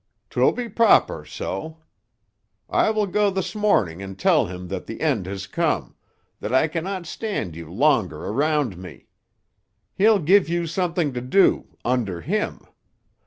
'Twill be proper so. I will go this morning and tell him that the end has come; that I can not stand you longer around me. He'll give you something to do—under him.